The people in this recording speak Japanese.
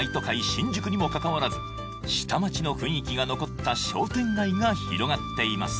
新宿にもかかわらず下町の雰囲気が残った商店街が広がっています